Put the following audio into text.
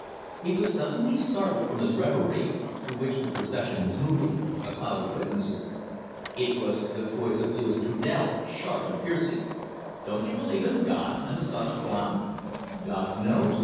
He was suddenly startled from his reverie, through which the procession was moving a cloud of witnesses. It was the voice of Louis Trudel, sharp and piercing: "Don't you believe in God and the Son of God?" "God knows!"